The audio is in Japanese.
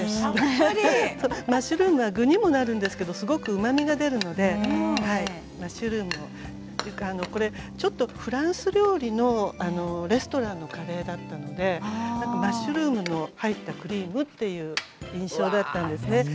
マッシュルームは具にもなるんですがうまみにもなるのでマッシュルームちょっとフランス料理のレストランのカレーだったのでマッシュルームの入ったクリームといった印象だったですね。